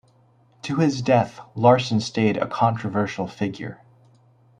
To his death Larsen stayed a controversial figure.